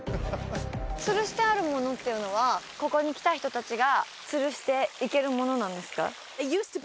つるしてあるものっていうのはここに来た人達がつるしていけるものなんですか？